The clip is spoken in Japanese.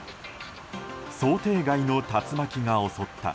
想定外の竜巻が襲った。